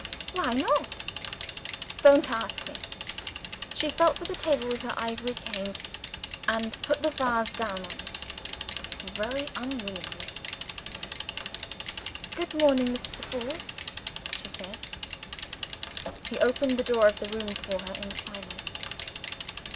_" "Why not?" "Don't ask me!" She felt for the table, with her ivory cane, and put the vase down on it very unwillingly. "Good morning, Mr. Dubourg," she said. He opened the door of the room for her in silence.